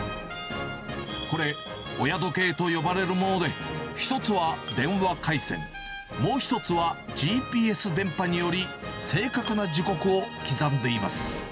これ、親時計と呼ばれるもので、１つは電話回線、もう１つはＧＰＳ電波により、正確な時刻を刻んでいます。